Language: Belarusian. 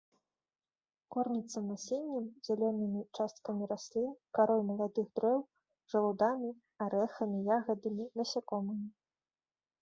Корміцца насеннем, зялёнымі часткамі раслін, карой маладых дрэў, жалудамі, арэхамі, ягадамі, насякомымі.